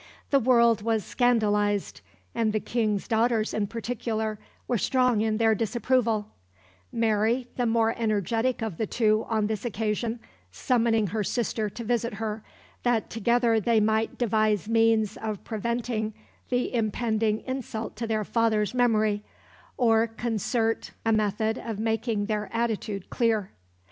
The world was scandalised, and the King's daughters in particular were strong in their disapproval; Mary, the more energetic of the two on this occasion, summoning her sister to visit her, that together they might devise means of preventing the impending insult to their father's memory, or concert a method of making their attitude clear.